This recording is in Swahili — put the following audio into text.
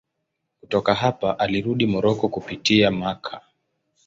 Kutoka hapa alirudi Moroko kupitia Makka.